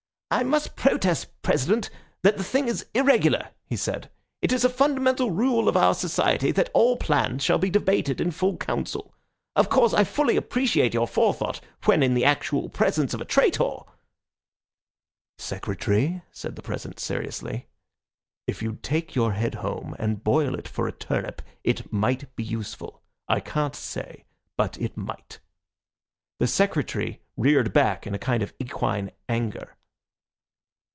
"I must protest, President, that the thing is irregular," he said. "It is a fundamental rule of our society that all plans shall be debated in full council. Of course, I fully appreciate your forethought when in the actual presence of a traitor—" "Secretary," said the President seriously, "if you'd take your head home and boil it for a turnip it might be useful. I can't say. But it might." The Secretary reared back in a kind of equine anger.